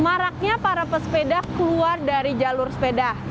maraknya para pesepeda keluar dari jalur sepeda